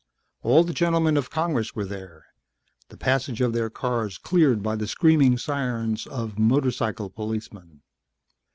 All the gentlemen of Congress were there, the passage of their cars cleared by the screaming sirens of motorcycle policemen.